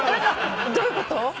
どういうこと？